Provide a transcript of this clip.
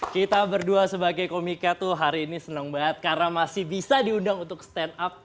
kita berdua sebagai komika tuh hari ini senang banget karena masih bisa diundang untuk stand up